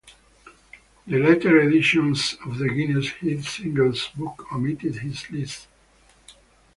The latter editions of the Guinness Hit Singles book omitted this list.